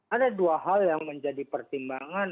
ada dua hal yang menjadi pertimbangan